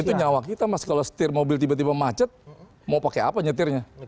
itu nyawa kita mas kalau setir mobil tiba tiba macet mau pakai apa nyetirnya